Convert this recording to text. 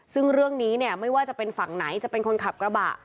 ซึ่งเรื่องนี้เนี่ยไม่ว่าจะเป็นฝั่งไหนจะเป็นคนขับกระบะ